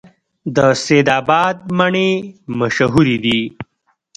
د سید اباد مڼې مشهورې دي